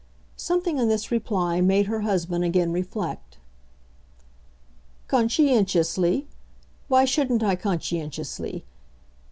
Something in this reply made her husband again reflect. "'Conscientiously?' Why shouldn't I conscientiously?